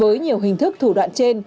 với nhiều hình thức thủ đoạn trên